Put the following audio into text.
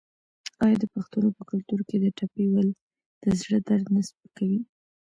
آیا د پښتنو په کلتور کې د ټپې ویل د زړه درد نه سپکوي؟